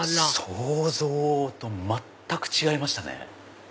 想像と全く違いましたね。